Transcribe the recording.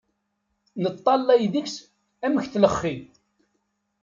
Neṭṭallay deg-s amek tlexxi.